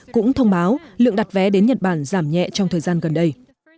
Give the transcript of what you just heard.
cũng thông báo lượng đặt vé đến nhật bản giảm nhẹ trong thời gian gần đây